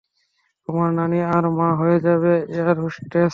তোমার নানী আর মা হয়ে যাবে এয়ারহোস্টেস।